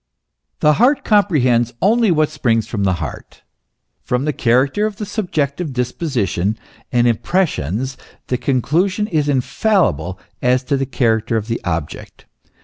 The heart comprehends only what springs from the heart. From the character of the subjective disposition and impres sions the conclusion is infallible as to the character of the object.